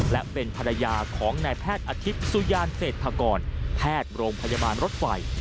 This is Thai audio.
และเป็นภรรยาของนายแพทย์อาทิตย์สุยานเศรษฐกรแพทย์โรงพยาบาลรถไฟ